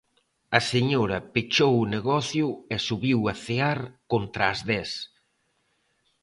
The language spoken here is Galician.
A señora pechou o negocio e subiu a cear contra as dez.